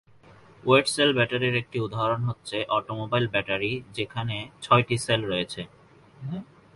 Wait cell ব্যাটারির একটি উদাহরণ হচ্ছে অটোমোবাইল ব্যাটারি যেখানে ছয়টি সেল রয়েছে।